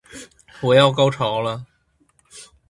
我要高潮了